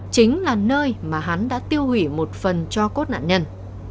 chính là nơi mà hắn đã tiêu hủy một phần cho cốt nạn nhân